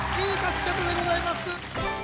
いい勝ち方でございます